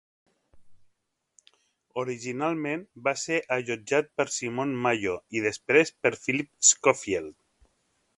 Originalment va ser allotjat per Simon Mayo i després per Phillip Schofield.